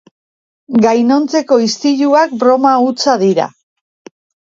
Gainontzeko istiluak broma hutsa dira.